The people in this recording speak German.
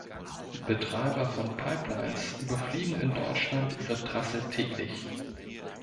Betreiber von Pipelines überfliegen in Deutschland ihre Trasse täglich.